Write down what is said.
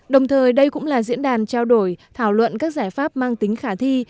đồng thời đây cũng là diễn đàn trao đổi thảo luận các giải pháp mang tính khả thi